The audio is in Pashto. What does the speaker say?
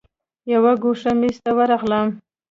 یو ګوښه میز ته ورغلم.